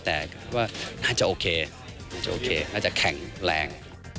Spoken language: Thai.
แต่ว่าน่าจะโอเคน่าจะโอเคน่าจะแข็งแรง